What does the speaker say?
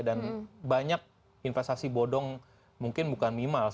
dan banyak investasi bodong mungkin bukan mimals